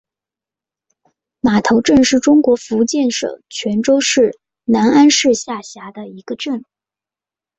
码头镇是中国福建省泉州市南安市下辖的一个镇。